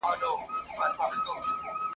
په مابین کي د رنګینو اولادونو ..